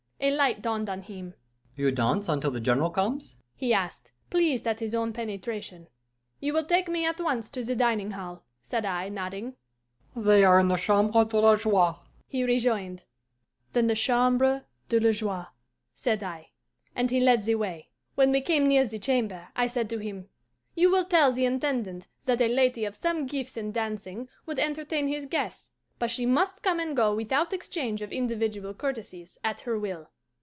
A light dawned on him. 'You dance until the General comes?' he asked, pleased at his own penetration. 'You will take me at once to the dining hall,' said I, nodding. 'They are in the Chambre de la Joie,' he rejoined. 'Then the Chambre de la Joie,' said I; and he led the way. When we came near the chamber, I said to him, 'You will tell the Intendant that a lady of some gifts in dancing would entertain his guests; but she must come and go without exchange of individual courtesies, at her will.